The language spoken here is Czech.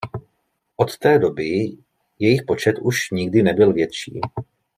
Od té doby jejich počet už nikdy nebyl větší.